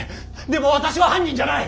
でも私は犯人じゃない！